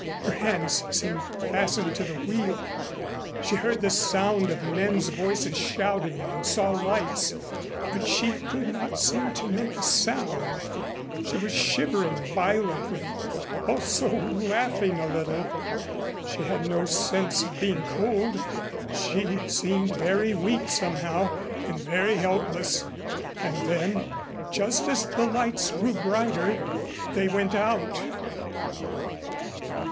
Her hands seemed fastened to the wheel. She heard the sound of men's voices shouting and saw lights, but she could not seem to make a sound. She was shivering violently, also laughing a little, but she had no sense of being cold. She seemed very weak somehow, and very helpless. And then, just as the lights grew brighter they went out.